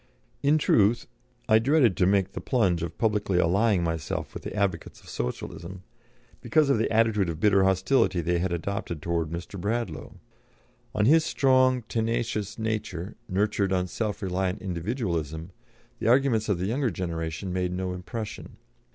In truth, I dreaded to make the plunge of publicly allying myself with the advocates of Socialism, because of the attitude of bitter hostility they had adopted towards Mr. Bradlaugh. On his strong, tenacious nature, nurtured on self reliant individualism, the arguments of the younger generation made no impression.